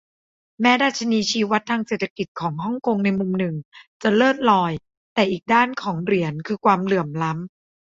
แม้ดัชนีชี้วัดทางเศรษฐกิจของฮ่องกงในมุมหนึ่งจะเลิศลอย แต่อีกด้านของเหรียญคือความเหลื่อมล้ำ